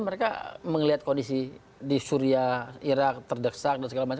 mereka menglihat kondisi di syria iraq terdeksak dan segala macam